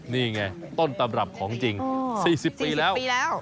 นี่ไงต้นตำรับของจริง๔๐ปีแล้ว